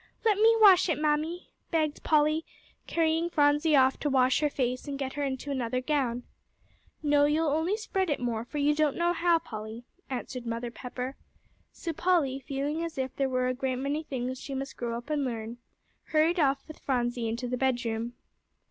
"Let me wash it, Mammy," begged Polly, carrying Phronsie off to wash her face and get her into another gown. "No, you'll only spread it more, for you don't know how, Polly," answered Mother Pepper. So Polly, feeling as if there were a great many things she must grow up and learn, hurried off with Phronsie into the bedroom.